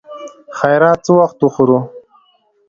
خيرات څه وخت خورو.